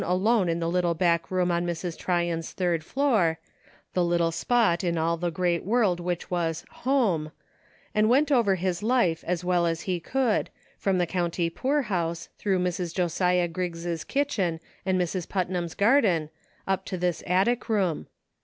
alone in the little back room on Mrs. Tryon's third floor — the little spot in all the great world which was " home ''— and went over his life as well as he could, from the county poorhouse, through Mrs. Josiah Griggs' kitchen and Miss Putnam's garden, up to this attic room.